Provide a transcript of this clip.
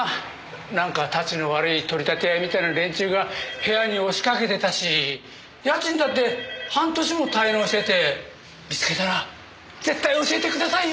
なんかたちの悪い取り立て屋みたいな連中が部屋に押しかけてたし家賃だって半年も滞納してて見つけたら絶対教えてくださいよ。